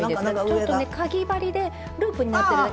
ちょっとねかぎ針でループになってる。